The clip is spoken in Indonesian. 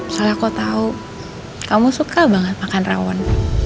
soalnya aku tau kamu suka banget makan rawon